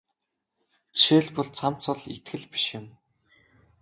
Жишээлбэл цамц бол итгэл биш юм.